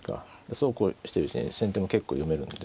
そうこうしてるうちに先手も結構読めるんで。